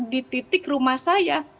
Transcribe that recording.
di titik rumah saya